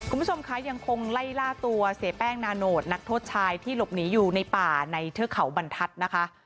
คุณผู้ชมคะยังคงไล่ล่าตัวเสียแป้งนาโนตนักโทษชายที่หลบหนีอยู่ในป่าในเทือกเขาบรรทัศน์นะคะ